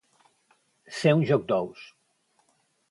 Ser un joc d'ous.